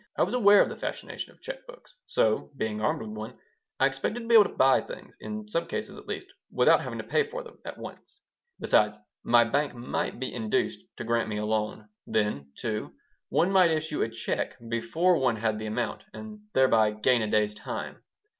I was aware of the fascination of check books, so, being armed with one, I expected to be able to buy things, in some cases, at least, without having to pay for them at once. Besides, my bank might be induced to grant me a loan. Then, too, one might issue a check before one had the amount and thereby gain a day's time.